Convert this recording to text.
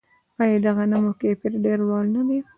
آیا د غنمو کیفیت ډیر لوړ نه دی؟